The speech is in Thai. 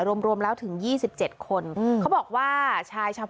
รวมถึง๒๗คนเขาบอกว่าชายชาว